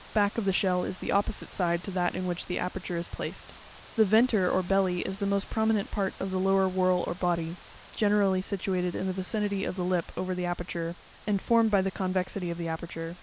Back of the shell, is the opposite side to that in which the aper ture is placed. The venter or belly, is the most prominent part of the lower whorl or body, generally situated in the vicinity of the lip over the aperture, and formed by the convexity of the aperture.